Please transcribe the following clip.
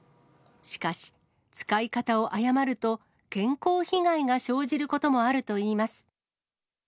しかし、使い方を誤ると、健康被害が生じることもあるといいます。